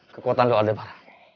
kekuatan lu ada pak